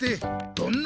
どんな？